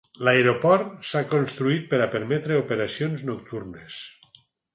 L'aeroport s'ha construït per a permetre operacions nocturnes.